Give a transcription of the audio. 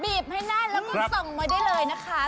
บีบให้ได้แล้วก็ส่งมาได้เลยนะคะ